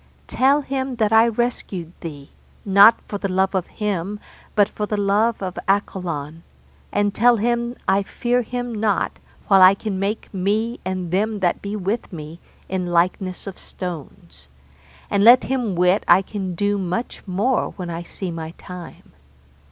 Tell him that I rescued thee, not for the love of him but for the love of Accolon, and tell him I fear him not while I can make me and them that be with me in likeness of stones; and let him wit I can do much more when I see my time.